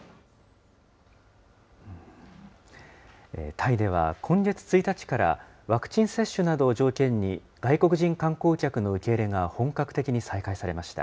タイでは、今月１日からワクチン接種などを条件に、外国人観光客の受け入れが本格的に再開されました。